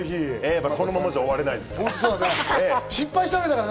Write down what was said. このままじゃ終われないですから。